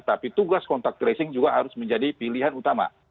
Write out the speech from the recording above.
tapi tugas kontak tracing juga harus menjadi pilihan utama